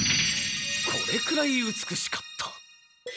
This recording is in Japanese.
これくらい美しかった」。